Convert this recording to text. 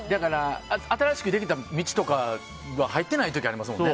新しくできた道とかは入ってない時ありますもんね。